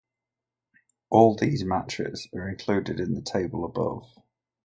All these matches are included in the table above.